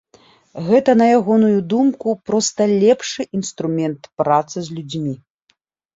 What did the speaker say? Гэта, на ягоную думку, проста лепшы інструмент працы з людзьмі.